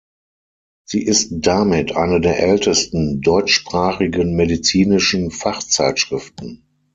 Sie ist damit eine der ältesten deutschsprachigen medizinischen Fachzeitschriften.